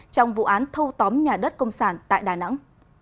trong vụ án thâu tóm nhà đất công sản tại đà nẵng